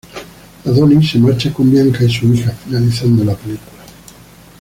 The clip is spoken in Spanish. Adonis se marcha con Bianca y su hija, finalizando la película.